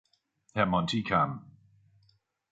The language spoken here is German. Herr Monti kam.